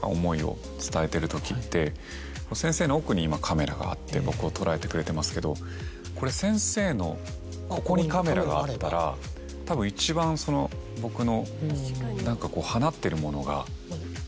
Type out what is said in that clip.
先生の奥に今カメラがあって僕を捉えてくれてますけどこれ先生のここにカメラがあったらたぶん一番その僕の何かこう放ってるものが。